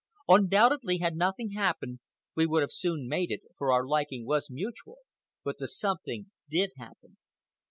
Undoubtedly, had nothing happened, we would have soon mated, for our liking was mutual; but the something did happen.